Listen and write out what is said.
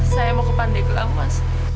saya mau ke pandeglang mas